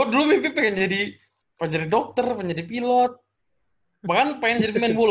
gue dulu mimpi pengen jadi pengen jadi dokter pengen jadi pilot bahkan pengen jadi main bola gua